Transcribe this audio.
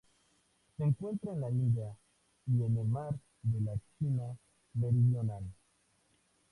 Se encuentra en la India y en el Mar de la China Meridional.